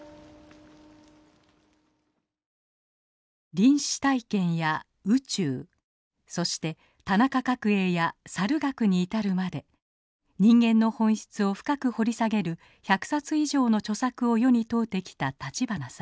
臨死体験や宇宙そして田中角榮やサル学に至るまで人間の本質を深く掘り下げる１００冊以上の著作を世に問うてきた立花さん。